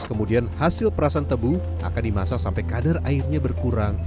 kemudian hasil perasan tebu akan dimasak sampai kadar airnya berkurang